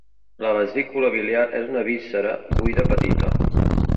La vesícula biliar és una víscera buida petita.